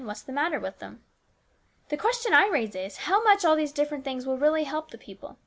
What's the matter with them ?"" The question I raise is, how much all these different things will really help the people.